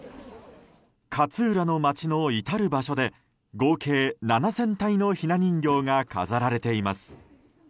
勝浦の街のいたる場所で合計７０００体のひな人形が飾られています。